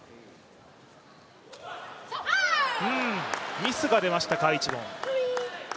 ミスが出ました、カ一凡。